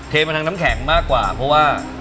มาทางน้ำแข็งมากกว่าเพราะว่า